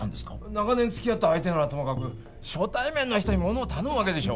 長年つきあった相手ならともかく初対面の人にものを頼むわけでしょ？